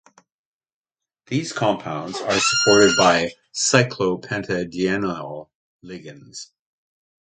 These compounds are supported by cyclopentadienyl ligands.